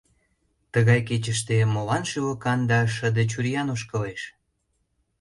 Тыгай кечыште молан шӱлыкан да шыде чуриян ошкылеш?